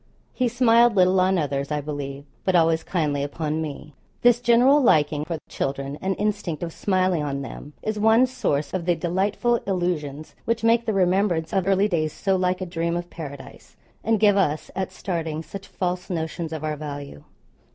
He smiled little on others I believe, but always kindly upon me. This general liking for children and instinct of smiling on them is one source of the delightful illusions which make the remembrance of early days so like a dream of Paradise, and give us, at starting, such false notions of our value.